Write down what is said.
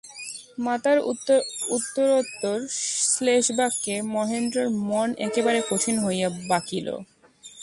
মাতার উত্তরোত্তর শ্লেষবাক্যে মহেন্দ্রের মন একেবারে কঠিন হইয়া বাঁকিল।